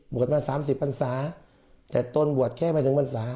บวชมาสามสิบปัญหาแต่ตนบวชแค่ไปหนึ่งปัญหา